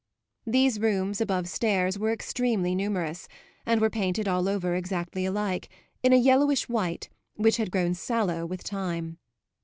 These rooms, above stairs, were extremely numerous, and were painted all over exactly alike, in a yellowish white which had grown sallow with time.